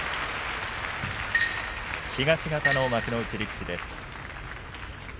東方の幕内力士です。